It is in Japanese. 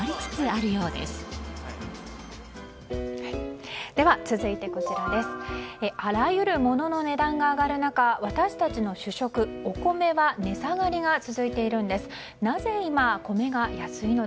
あらゆるものの値段が上がる中私たちの主食お米は値下がりが続いているんです。